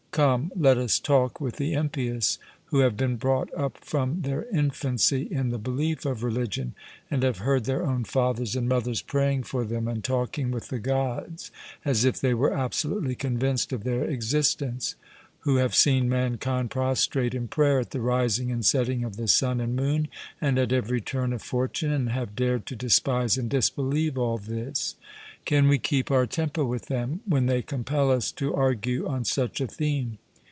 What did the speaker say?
Come, let us talk with the impious, who have been brought up from their infancy in the belief of religion, and have heard their own fathers and mothers praying for them and talking with the Gods as if they were absolutely convinced of their existence; who have seen mankind prostrate in prayer at the rising and setting of the sun and moon and at every turn of fortune, and have dared to despise and disbelieve all this. Can we keep our temper with them, when they compel us to argue on such a theme?